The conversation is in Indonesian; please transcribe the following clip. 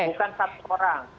bukan satu orang